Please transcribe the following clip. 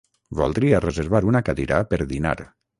Voldria reservar una cadira per dinar.